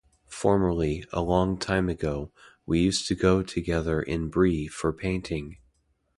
Formerly, a long time ago, we used to go together in Brie for painting.